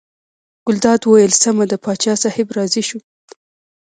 ګلداد وویل سمه ده پاچا صاحب راضي شو.